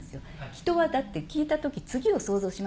人はだって聞いた時次を想像しますから。